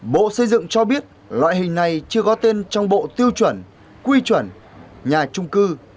bộ xây dựng cho biết loại hình này chưa có tên trong bộ tiêu chuẩn quy chuẩn nhà trung cư